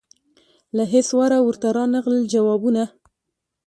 له هیڅ وره ورته رانغلل جوابونه